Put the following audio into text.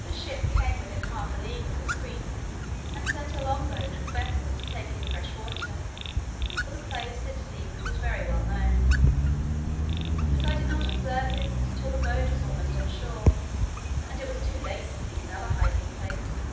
The ship came within half a league of this creek, and sent her long boat with vessels to take in fresh water (for the place, it seems, was very well known); but I did not observe it, till the boat was almost on shore; and it was too late to seek another hiding place.